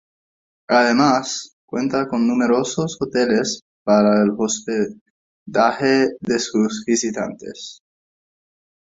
Además, cuenta con numerosos hoteles para el hospedaje de sus visitantes.